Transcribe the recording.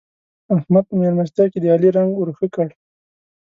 احمد په مېلمستيا کې د علي رنګ ور ښه کړ.